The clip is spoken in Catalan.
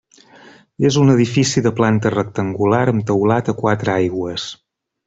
És un edifici de planta rectangular amb teulat a quatre aigües.